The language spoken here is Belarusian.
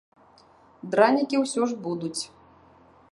Дранікі ўсё ж будуць.